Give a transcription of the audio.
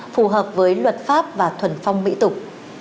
phù hợp với luật pháp và thuần phong mỹ tục